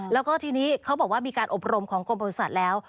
แล้วก็ทีนี้เขาบอกว่ามีการอบรมของกรมบริษัทแล้ว